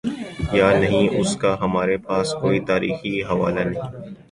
یانہیں، اس کا ہمارے پاس کوئی تاریخی حوالہ نہیں۔